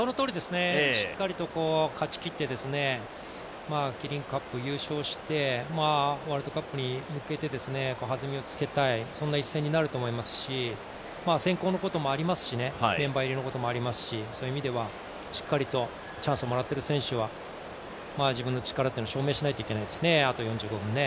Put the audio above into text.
しっかりと勝ちきってキリンカップ優勝して、ワールドカップに向けて弾みをつけたいそんな一戦になると思いますし、選考のこともありますしメンバー入りのこともありますし、そういう意味でもしっかりとチャンスをもらっている選手は自分の力を証明しないといけないですね、あと４５分。